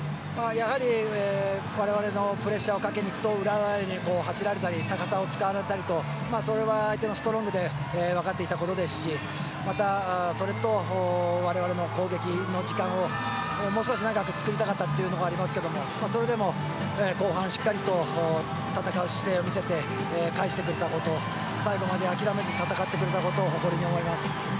やはり我々のプレッシャーをかけにいくとか裏側に走られたり高さを使われたりとそれは相手のストロングで分かっていたことですしそれと、我々の攻撃の時間をもう少し長く作りたかったというのがありますけどそれでも後半しっかりと戦う姿勢を見せて返してくれたこと最後まで諦めずに戦ってくれたことを誇りに思います。